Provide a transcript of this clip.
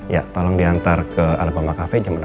ya tolong diantar ke alabama cafe jam enam sore ya